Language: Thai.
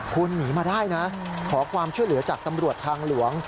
คุณหนีมาได้นะขอความช่วยเหลือจากตำรวจทางหลวง